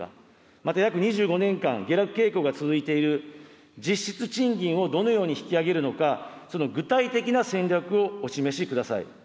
また約２５年間、下落傾向が続いている実質賃金をどのように引き上げるのか、その具体的な戦略をお示しください。